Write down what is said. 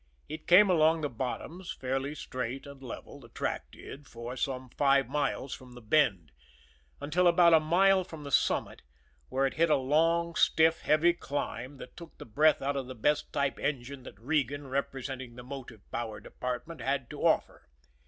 It came along the bottoms fairly straight and level, the track did, for some five miles from the Bend, until about a mile from the summit where it hit a long, stiff, heavy climb, that took the breath out of the best type engine that Regan, representing the motive power department, had to offer.